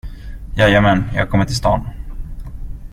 Jajamän, jag kommer till stan.